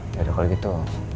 ya kalau begitu